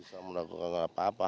bisa melakukan apa apa